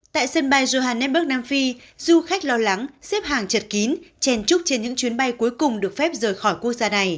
tại sân bay johannesburg nam phi du khách lo lắng xếp hàng chật kín chèn trúc trên những chuyến bay cuối cùng được phép rời khỏi quốc gia này